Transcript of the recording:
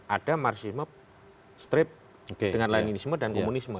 ada marxisme strip dengan leninisme dan komunisme